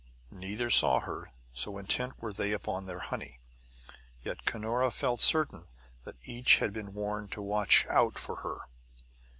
Neither saw her, so intent were they upon their honey; yet Cunora felt certain that each had been warned to watch out for her.